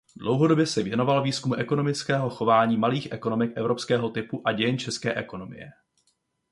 Dlouhodobě se věnoval výzkumu ekonomického chování malých ekonomik evropského typu a dějin české ekonomie.